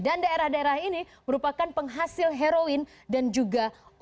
dan daerah daerah ini merupakan penghasil heroin dan juga narkotika